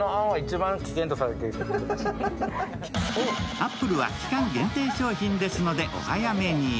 アップルは期間限定商品ですので、お早めに。